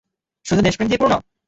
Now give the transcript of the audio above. শুধু দেশপ্রেম দিয়ে পূর্ণ!